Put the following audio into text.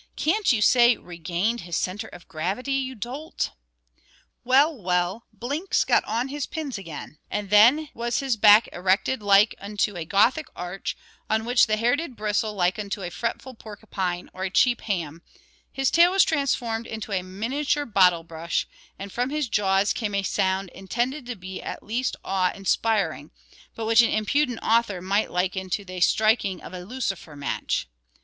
Can't you say, 'regained his centre of gravity,' you dolt."] Well, well, Blinks got on his pins again; then was his back erected like unto a Gothic arch, on which the hair did bristle like unto a fretful porcupine, or a cheap ham; his tail was transformed into a miniature bottle brush, and from his jaws came a sound, intended to be at least awe inspiring, but which an impudent author might liken to the striking of a lucifer match.